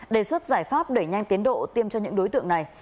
đề xuất giải pháp đẩy nhanh tiến độ tiêm cho những đối tượng này